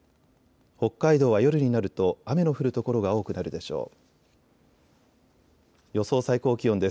北海道は夜になると雨の降る所が多くなるでしょう。